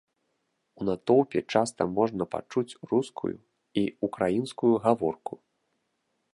У натоўпе часта можна пачуць рускую і ўкраінскую гаворку.